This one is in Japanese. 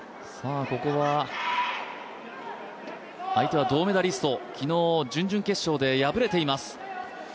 ここは相手は銅メダリスト、昨日準決勝破れています。